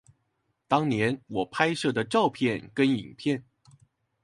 當年我拍攝的照片跟影片